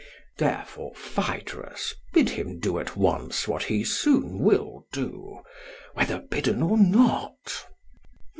Therefore, Phaedrus, bid him do at once what he will soon do whether bidden or not.